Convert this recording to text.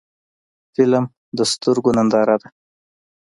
فلم د سترګو ننداره ده